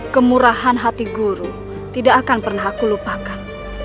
kemurahan hati guru tidak akan pernah aku lupakan